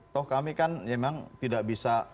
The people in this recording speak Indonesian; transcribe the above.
toh kami kan memang tidak bisa